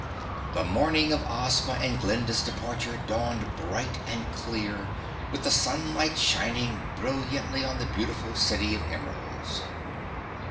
The morning of Ozma and Glinda's departure dawned bright and clear, with the sunlight shining brilliantly on the beautiful city of Emeralds.